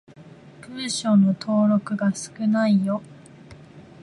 文章の登録が少ないよ。